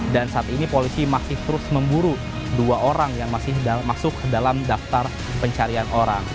dan saat ini polisi masih terus memburu dua orang yang masih masuk ke dalam daftar pencarian orang